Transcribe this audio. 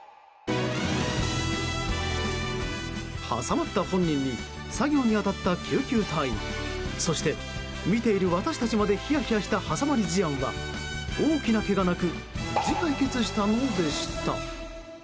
挟まった本人に作業に当たった救急隊員そして、見ている私たちまでヒヤヒヤした挟まり事案は大きなけがなく無事解決したのでした。